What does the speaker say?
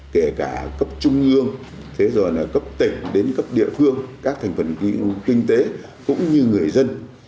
kể cả cấp trung ương thế rồi là cấp tỉnh đến cấp địa phương các thành phần kinh tế cũng như người dân